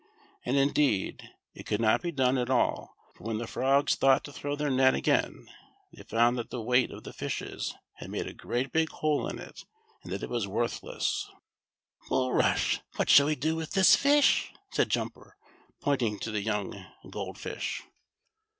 And, indeed it could not be done at THE SILVER FISH. 43 all, for when the frogs thought to throw tlicir net again, they found that the weight of the fishes had made a great big hole in it, and that it was worth less. "Bulrush, what shall we do with this fish?" said Jumper, pointing to the young Gold Fish.